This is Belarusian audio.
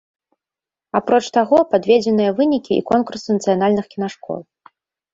Апроч таго, падведзеныя вынікі і конкурсу нацыянальных кінашкол.